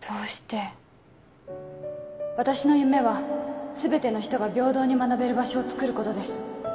どうして私の夢は全ての人が平等に学べる場所をつくることです